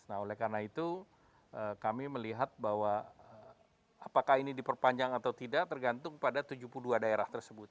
nah oleh karena itu kami melihat bahwa apakah ini diperpanjang atau tidak tergantung pada tujuh puluh dua daerah tersebut